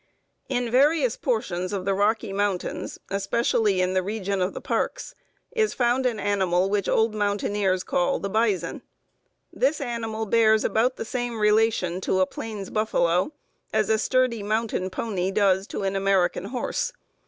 ] "In various portions of the Rocky Mountains, especially in the region of the parks, is found an animal which old mountaineers call the 'bison.' This animal bears about the same relation to a plains buffalo as a sturdy mountain pony does to an American horse.